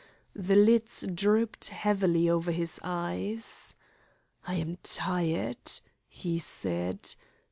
The lids drooped heavily over his eyes. "I am tired," he said.